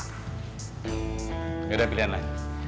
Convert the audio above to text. nggak ada pilihan lain